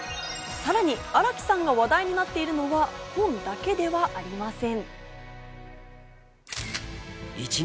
さらに荒木さんが話題となっているのは本だけではありません。